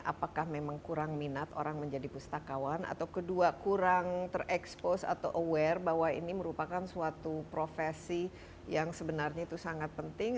apakah memang kurang minat orang menjadi pustakawan atau kedua kurang terekspos atau aware bahwa ini merupakan suatu profesi yang sebenarnya itu sangat penting